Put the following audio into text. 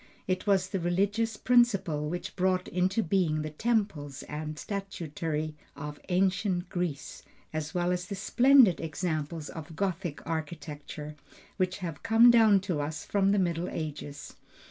It was the religious principle which brought into being the temples and statuary of ancient Greece, as well as the splendid examples of Gothic architecture, which have come down to us from the middle ages.